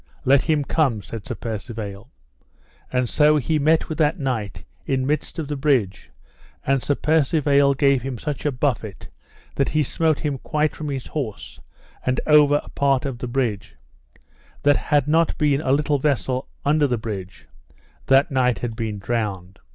Let him come, said Sir Percivale. And so he met with that knight in midst of the bridge; and Sir Percivale gave him such a buffet that he smote him quite from his horse and over a part of the bridge, that, had not been a little vessel under the bridge, that knight had been drowned.